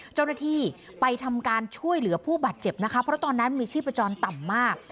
เจ้าหน้าที่ไปทำการช่วยเหลือผู้บาดเจ็บนะคะเพราะตอนนั้นมีชีพจรต่ำมาก